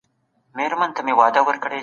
دوه لاملونه د ټولنپوهنې په وده کي دي.